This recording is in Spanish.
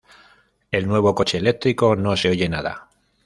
El nuevo coche eléctrico no se oye nada